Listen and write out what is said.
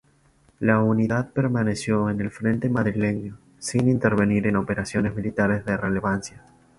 La unidad permaneció en el frente madrileño, sin intervenir en operaciones militares de relevancia.